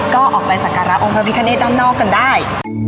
ก็ออกไปสักการะองค์พระพิคเนตด้านนอกกันได้